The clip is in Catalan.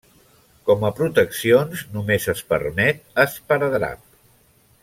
Com a proteccions, només es permet esparadrap.